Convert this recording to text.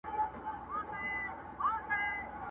خو ډوډۍ یې له هر چا څخه تنها وه!